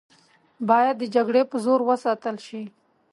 باید د جګړې په زور وساتله شي.